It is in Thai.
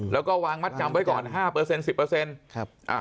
แล้วก็วางมัดจำไว้ก่อน๕เปอร์เซ็นต์๑๐เปอร์เซ็นต์